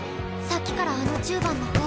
さっきからあの１０番の子。